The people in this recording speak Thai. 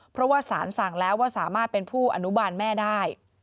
เพราะว่าสารสั่งแล้วว่าสามารถเป็นผู้อนุบาลแม่ได้